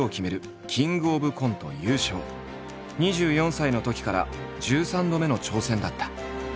２４歳のときから１３度目の挑戦だった。